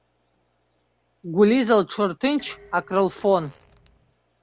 Гәлиза лҽырҭынч акрылфон.